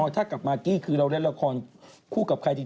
ถ้ากับมากกี้คือเราเล่นละครคู่กับใครจริง